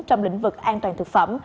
trong lĩnh vực an toàn thực phẩm